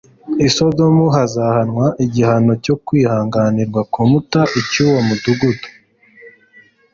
i Sodomu hazahanwa igihano cyakwihanganirwa kumta icy'uwo mudugudu,"